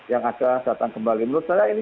yang akan datang kembali menurut saya ini